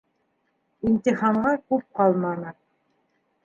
Имтиханға күп ҡалманы.